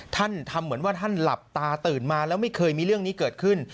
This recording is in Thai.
ท่านทำเหมือนว่าท่านหลับตาตื่นมาแล้วไม่เคยมีเรื่องนี้เกิดขึ้น